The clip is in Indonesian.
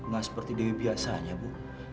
gak seperti dewi biasanya bu